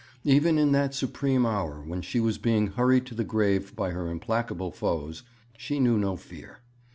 Even in that supreme hour when she was being hurried to the grave by her implacable foes, she knew no fear.